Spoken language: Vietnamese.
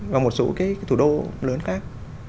và một số cái thủ đô lớn khác